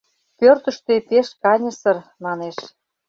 Пӧртыштӧ пеш каньысыр, манеш.